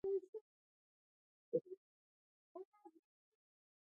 د افغانستان د اقتصادي پرمختګ لپاره پکار ده چې ځمکه غصب نشي.